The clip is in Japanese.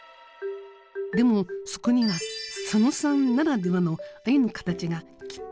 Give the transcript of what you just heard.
でもそこには佐野さんならではの愛の形がきっとあるはず。